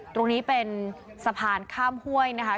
ตรงนี้เป็นสะพานข้ามห้วยนะคะ